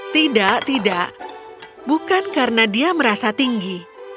tidak tidak bukan karena dia merasa tinggi